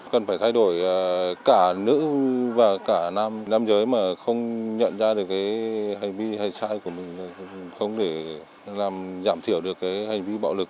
cần phải thay đổi cả nữ và cả nam giới mà không nhận ra được cái hành vi hay sai của mình không để làm giảm thiểu được cái hành vi bạo lực